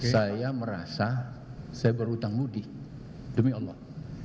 saya merasa saya berhutang mudik demi allah